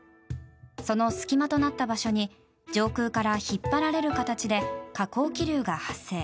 その隙間となった場所に上空から引っ張られる形で下降気流が発生。